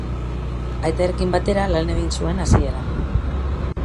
Aitarekin batera lan egin zuen hasieran.